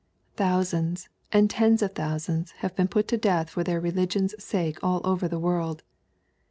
Thousands and tens of thousands have been put to death for their religion's sake all over the world.